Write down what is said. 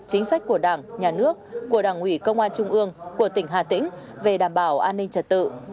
chính sách của đảng nhà nước của đảng ủy công an trung ương của tỉnh hà tĩnh về đảm bảo an ninh trật tự